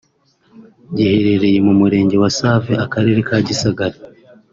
giherereye mu murenge wa Save akarere ka Gisagara